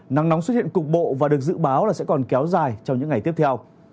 nắng nóng xuất hiện cục bộ và được dự báo là sẽ còn kéo dài trong những ngày tiếp theo